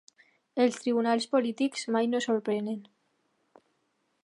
Els tribunals polítics mai no sorprenen.